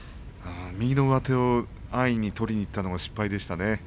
右の上手を安易に取りにいったのが失敗でしたね。